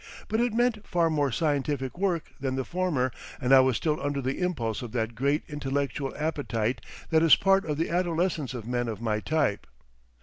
But it meant far more scientific work than the former, and I was still under the impulse of that great intellectual appetite that is part of the adolescence of men of my type.